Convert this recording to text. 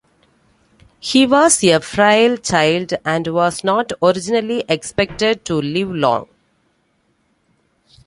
He was a frail child and was not originally expected to live long.